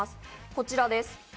こちらです。